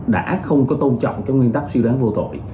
đã không có tôn trọng các nguyên tắc siêu đáng vô tội